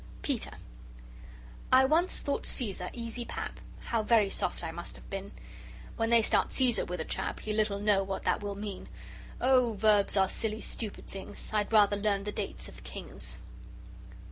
PETER I once thought Caesar easy pap How very soft I must have been! When they start Caesar with a chap He little know what that will mean. Oh, verbs are silly stupid things. I'd rather learn the dates of kings!